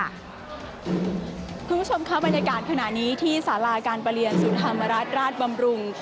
คุณผู้ชมครับบรรยากาศขณะนี้ที่สาราการประเรียนศูนย์ธรรมราชบำรุง